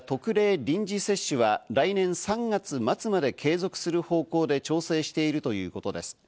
臨時接種は来年３月末まで継続する方向で調整しているということです。